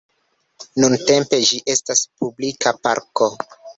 Nuntempe ĝi estas publika parko.